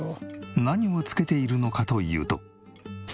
何をつけているのかというと。